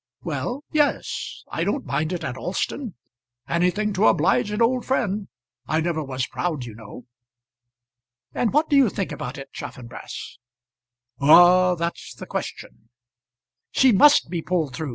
Well; yes. I don't mind it at Alston. Anything to oblige an old friend. I never was proud, you know." "And what do you think about it, Chaffanbrass?" "Ah! that's the question." "She must be pulled through.